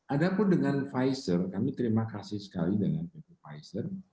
ada pun dengan pfizer kami terima kasih sekali dengan pepfizer